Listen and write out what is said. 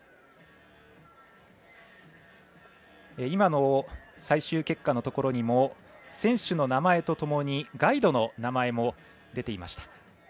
今の最終結果のところにも選手の名前とともにガイドの名前も出ていました。